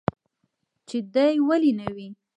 چې دى ولي نه وي.